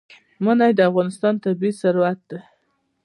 منی د افغانستان طبعي ثروت دی.